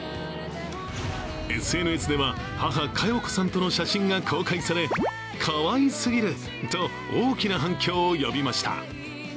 ＳＮＳでは、母・加代子さんとの写真が公開されかわいすぎると大きな反響を呼びました。